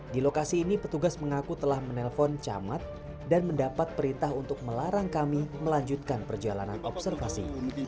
di lokasi ini petugas mengaku telah menelpon camat dan mendapat perintah untuk melarang kami melanjutkan perjalanan observasi